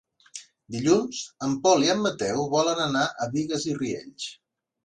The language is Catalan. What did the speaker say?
Dilluns en Pol i en Mateu volen anar a Bigues i Riells.